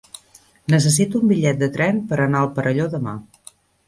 Necessito un bitllet de tren per anar al Perelló demà.